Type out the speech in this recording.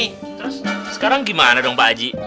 terus sekarang gimana dong bu haji